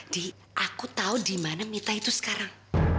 di aku tahu di mana mita itu sekarang